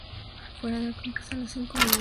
Fuera del campo a los cinco minutos.